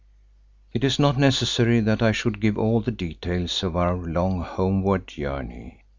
It is not necessary that I should give all the details of our long homeward journey.